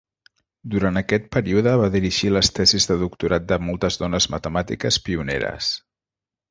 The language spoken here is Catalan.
Durant aquest període va dirigir les tesis de doctorat de moltes dones matemàtiques pioneres.